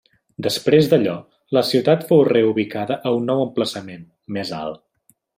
Després d'allò, la ciutat fou reubicada a un nou emplaçament, més alt.